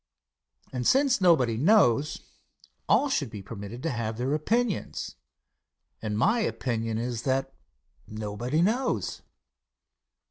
And since nobody knows, all should be permitted to have their opinions, and my opinion is that nobody knows.